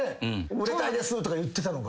「売れたいです」とか言ってたのが。